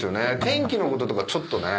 天気のこととかちょっとね。